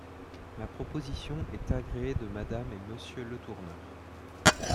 Ma proposition est agréée de Madame et Monsieur Letourneur.